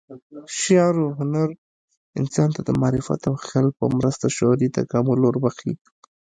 شعر و هنر انسان ته د معرفت او خیال په مرسته شعوري تکامل وربخښي.